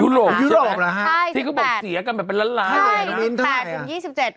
ยุโรปหรอฮะที่เค้าบอกเสียกันแบบเป็นล้านล้านบาทเลยนะฮะใช่๑๘๒๗